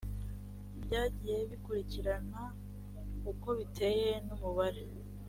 byagiye bikurikirana uko biteye n umubare